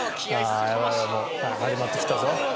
始まってきたぞ。